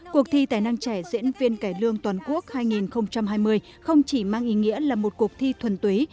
cuộc thi tài năng trẻ diễn viên cải lương toàn quốc hai nghìn hai mươi không chỉ mang ý nghĩa là một cuộc thi thuần túy